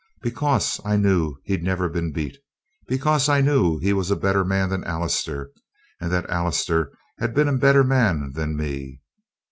Because I knew he'd never been beat. Because I knew he was a better man than Allister, and that Allister had been a better man than me.